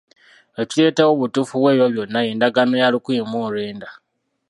Ekireetawo obutuufu bw'ebyo byonna y'endagaano ya lukumi mu lwenda.